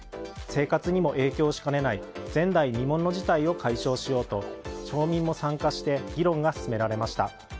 生活にも影響しかねない前代未聞の事態を解消しようと町民も参加して議論が進められました。